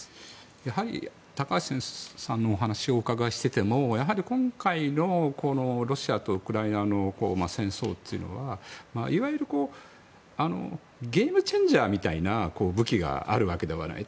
やはり高橋さんのお話をお伺いしていても今回のロシアとウクライナの戦争というのはいわゆるゲームチェンジャーみたいな武器があるわけではないと。